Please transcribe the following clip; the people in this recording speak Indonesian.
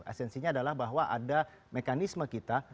esensinya adalah bahwa ada mekanisme kita